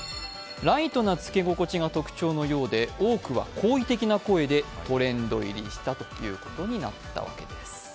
ライトな着け心地が特徴なようで、多くは好意的な声でトレンド入りしたということになったわけです。